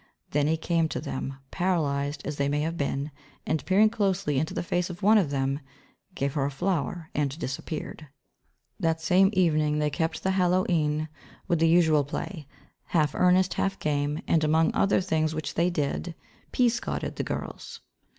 Then he came to them, paralysed as they may have been, and peering closely into the face of one of them gave her a flower and disappeared. That same evening they kept the Hallow E'en with the usual play, half earnest, half game, and, among other things which they did, "peascodded" the girls.